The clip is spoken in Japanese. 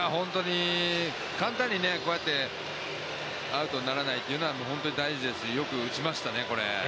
簡単にこうやってアウトにならないというのは本当に大事ですしよく打ちましたね、これ。